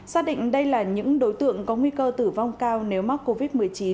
xác định đây là những đối tượng có nguy cơ tử vong cao nếu mắc covid một mươi chín